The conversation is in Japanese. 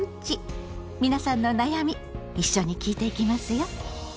皆さんの悩み一緒に聞いていきますよ。